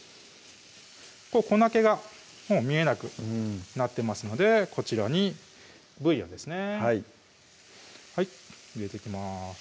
うん粉けが見えなくなってますのでこちらにブイヨンですねはい入れていきます